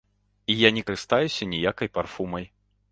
Я не карыстаюся ніякай парфумай.